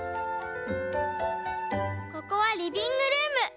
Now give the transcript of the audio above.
「ここはリビングルーム。